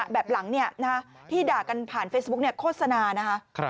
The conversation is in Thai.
แบบหลังที่ด่ากันผ่านเฟซบุ๊กโฆษณานะคะ